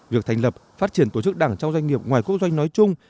việc thành lập phát triển tổ chức đảng trong doanh nghiệp ngoài quốc doanh nói chung